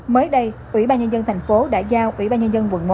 mới đây ủy ban nhân dân thành phố đã giao ủy ban nhân dân quận một